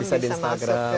bisa di instagram